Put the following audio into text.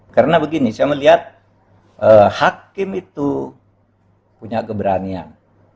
karena begini saya melihat hakim itu punya keberanian